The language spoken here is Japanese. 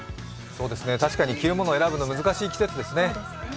確かに、着るものを選ぶの難しい季節ですね。